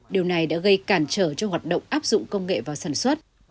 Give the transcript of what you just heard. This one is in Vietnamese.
điều này đã gây cản trở cho hoạt động áp dụng công nghệ vào sản xuất